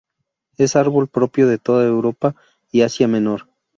Es árbol propio de toda Europa y Asia Menor.